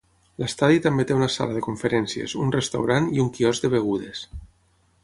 L'estadi també té una sala de conferències, un restaurant i un quiosc de begudes.